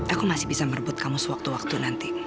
aku masih bisa merebut kamu sewaktu waktu nanti